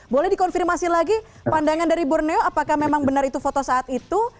boleh dikonfirmasi lagi pandangan dari borneo apakah memang benar itu foto saat itu